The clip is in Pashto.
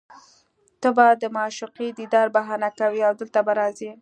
ته به د معشوقې دیدار بهانه کوې او دلته به راځې